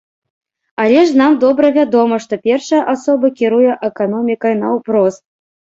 Але ж нам добра вядома, што першая асоба кіруе эканомікай наўпрост.